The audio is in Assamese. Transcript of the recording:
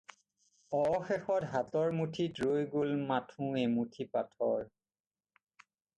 অৱশেষত হাতৰ মুঠিত ৰৈ গ'ল মাথোঁ এমুঠি পাথৰ।